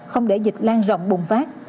không để dịch lan rộng bùng phát